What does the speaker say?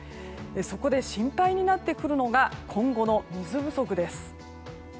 そこで心配になってくるのが今後の水不足です。